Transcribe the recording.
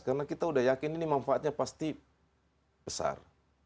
karena kita sudah yakin ini manfaatnya pasti besar